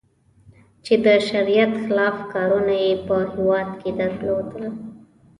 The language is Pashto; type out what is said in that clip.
چې د شریعت خلاف کارونه یې په هېواد کې دودول.